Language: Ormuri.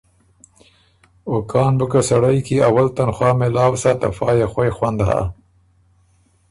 او کان بُو که سړئ کی اول تنخوا مېلاؤ سَۀ ته فا يې خوئ خوند هۀ۔